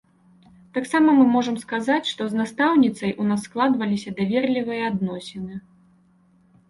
Таксама мы можам сказаць, што з настаўніцай у нас складваліся даверлівыя адносіны.